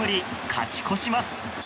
勝ち越します。